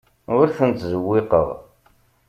Ur ten-ttzewwiqeɣ.